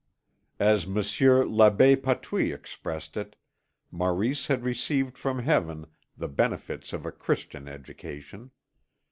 As Monsieur l'Abbé Patouille expressed it, Maurice had received from Heaven the benefits of a Christian education.